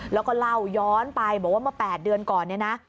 แล้วก็เล่าย้อนไปบอกว่าเมื่อ๘เดือนก่อนเนี่ยนะ